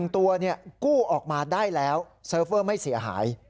ตัวกู้ออกมาได้แล้วเซิร์ฟเวอร์ไม่เสียหาย